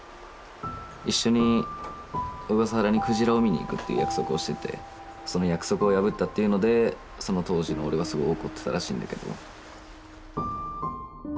「一緒に小笠原にクジラを見に行く」っていう約束をしててその約束を破ったっていうのでその当時の俺はすごい怒ってたらしいんだけど。